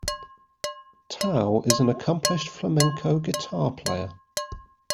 Tao is an accomplished flamenco guitar player.